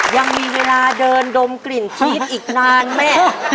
ยังมีเวลาเดินดมกลิ่นชีสอีกนานแม่